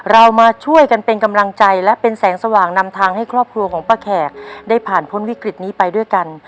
เรามาช่วยกันเป็นกำลังใจและเป็นแสงสว่างนำทางให้ครอบครัวของป้าแขกได้ผ่านพ้นวิกฤตนี้ไปด้วยกัน